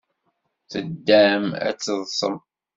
Teddam ad teḍḍsem.